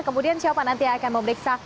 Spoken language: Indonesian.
kemudian siapa nanti yang akan memeriksa